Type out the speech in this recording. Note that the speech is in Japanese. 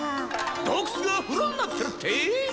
どうくつがふろになってるってえ！？